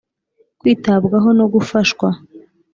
Kwitabwaho no gufashwa